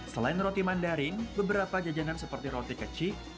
selain roti mandarin beberapa jajanan seperti roti kecik